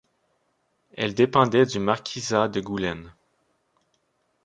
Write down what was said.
Elle dépendait du marquisat de Goulaine.